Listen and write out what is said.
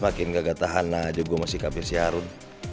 makin gak tahan aja gue sama si kapil si harun